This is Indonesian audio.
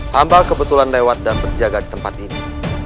hamba kebetulan lewat dan berjaga di tempat ini